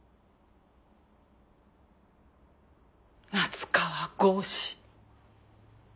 夏河郷士。